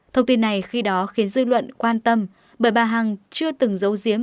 thông tin này khi đó khiến dư luận quan tâm bởi bà hằng chưa từng giấu giếm